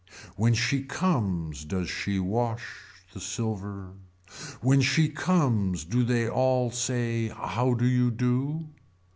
When she comes does she wash the silver. When she comes do they all say how do you do.